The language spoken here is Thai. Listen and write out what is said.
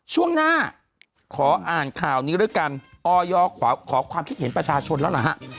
ช่วงหน้าขออ่านข่าวนี้ด้วยกันออยขอความคิดเห็นประชาชนแล้วล่ะฮะ